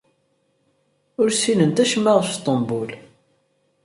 Ur ssinent acemma ɣef Sṭembul.